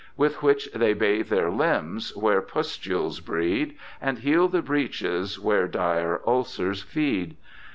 With which they bathe their limbs where pustles breed. And heal the breaches where dire ulcers feed.